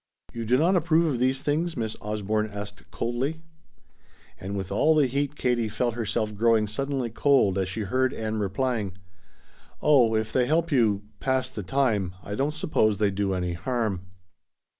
"You do not approve of these things?" Miss Osborne asked coldly. And with all the heat Katie felt herself growing suddenly cold as she heard Ann replying: "Oh, if they help you pass the time, I don't suppose they do any harm."